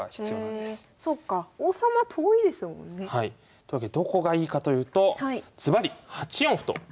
というわけでどこがいいかというとずばり８四歩と。